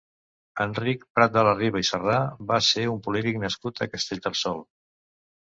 Enric Prat de la Riba i Sarrà va ser un polític nascut a Castellterçol.